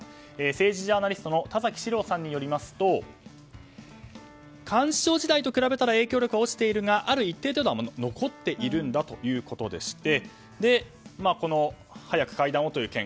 政治ジャーナリストの田崎史郎さんによりますと幹事長時代と比べたら影響力は落ちているがある一定程度は残っているんだということでして早く会談をという意見